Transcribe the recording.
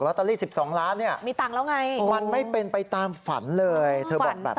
ลอตเตอรี่๑๒ล้านนี่มันไม่เป็นไปตามฝันเลยเธอบอกแบบนี้โอ้โฮมีตังค์แล้วไง